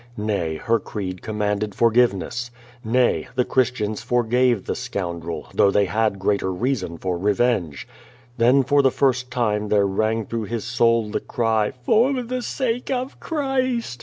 Xay, her creed command ed forgiveness. Nay, the Christians forgave the scoundrel, though they had greater reason for revenge. Then for the first time there rang through his soul the cry, "For the sake of Christ!"